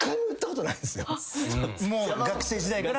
もう学生時代から？